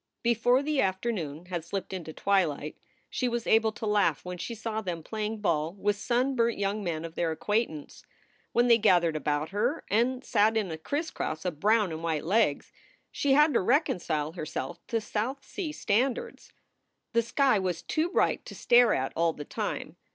Before the afternoon had slipped into twilight she was able to laugh when she saw them playing ball with sunburnt young men of their acquaintance. When they gathered about her and sat in a crisscross of brown and white legs, she had to reconcile herself to South Sea standards. The sky was too bright to stare at all the time.